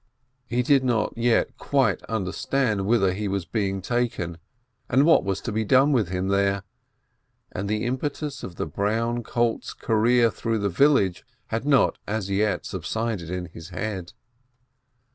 He did not yet quite under stand whither he was being taken, and what was to be done with him there, and the impetus of the brown colt's career through the village had not as yet sub sided in his head.